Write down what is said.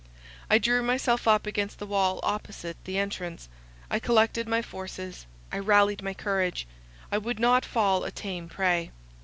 I drew myself up against the wall opposite the entrance; I collected my forces, I rallied my courage, I would not fall a tame prey.